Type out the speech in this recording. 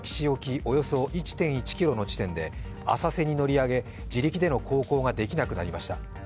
およそ１．１ｋｍの地点で浅瀬に乗り上げ、自力での航行ができなくなりました。